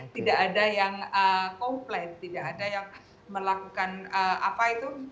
tidak ada yang komplain tidak ada yang melakukan apa itu